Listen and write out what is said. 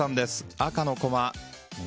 赤のコマ。